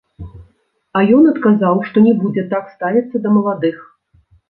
А ён адказаў, што не будзе так ставіцца да маладых.